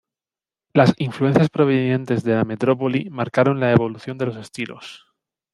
Las influencias provenientes de la metrópoli marcaron la evolución de los estilos.